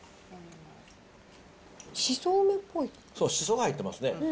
そう、しそが入ってますね。